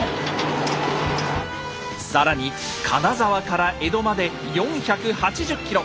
更に金沢から江戸まで４８０ｋｍ。